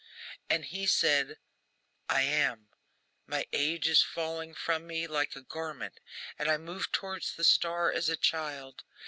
And he said, 'I am. My age is falling from me like a garment, and I move towards the star as a child.